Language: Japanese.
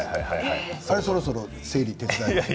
あれそろそろ整理を手伝おうか。